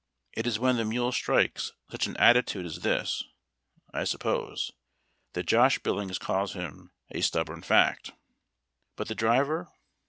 It is when the mule strikes such an atti tude as this, I suppose, that Josh Billings calls him " a stub born fact." But the driver